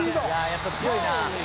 「やっぱ強いなあ」